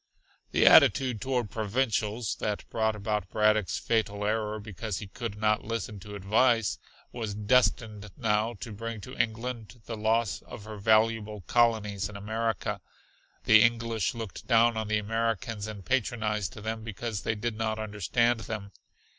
The attitude toward "provincials" that brought about Braddock's fatal error because he could not listen to advice, was destined now to bring to England the loss of her valuable colonies in America. The English looked down on the Americans and patronized them because they did not understand them.